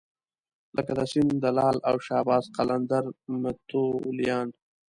لکه د سیند د لعل او شهباز قلندر متولیان.